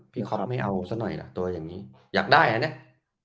คอปไม่เอาซะหน่อยล่ะตัวอย่างนี้อยากได้นะเนี่ย